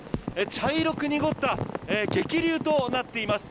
茶色く濁った激流となっています。